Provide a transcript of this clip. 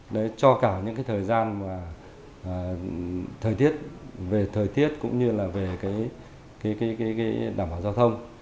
đấy cho cả những cái thời gian mà thời tiết về thời tiết cũng như là về cái đảm bảo giao thông